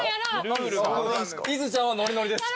いずちゃんはノリノリです。